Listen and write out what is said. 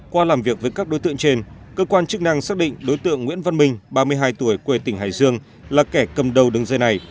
qua làm việc với các đối tượng trên cơ quan chức năng xác định đối tượng nguyễn văn minh ba mươi hai tuổi quê tỉnh hải dương là kẻ cầm đầu đường dây này